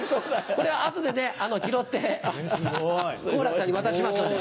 これ後でね拾って好楽さんに渡しますので。